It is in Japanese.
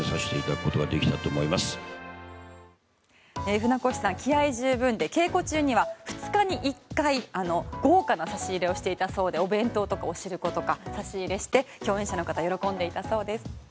船越さん気合十分で稽古中には２日に１回あの豪華な差し入れをしていたそうでお弁当とかおしることかを差し入れして共演者の方喜んでいたそうです。